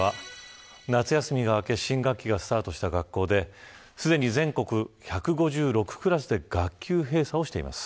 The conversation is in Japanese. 夏休みが明け新学期がスタートした学校ですでに全国１５６クラスで学級閉鎖をしています。